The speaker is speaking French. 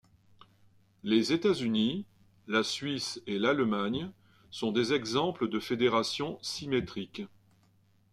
Les États-Unis, la Suisse et l'Allemagne sont des exemples de fédérations symétriques.